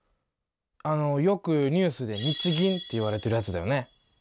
あのよくニュースで日銀っていわれてるやつだよね。